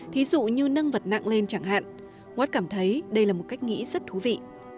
thí dụ như nâng vật nặng lên chẳng hạn watt cảm thấy đây là một cách nghĩ rất thú vị